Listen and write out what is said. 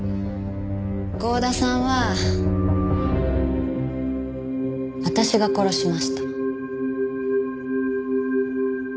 郷田さんは私が殺しました。